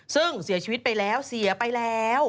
ซึ่งเสียชีวิตไปแล้วเสียไปแล้ว